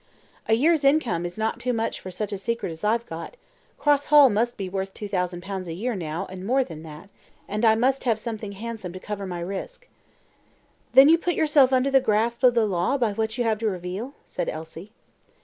"A year's income is not too much for such a secret as I've got. Cross Hall must be worth 2,000 pounds a year now, and more than that, and I must have something handsome to cover my risk." "Then you put yourself under the grasp of the law by what you have to reveal?" said Elsie.